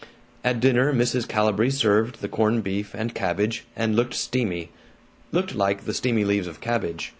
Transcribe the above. At dinner Mrs. Calibree served the corned beef and cabbage and looked steamy, looked like the steamy leaves of cabbage.